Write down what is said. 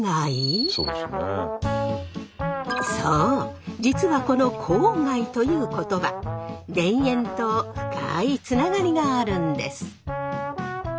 そう実はこの「郊外」という言葉田園と深いつながりがあるんです。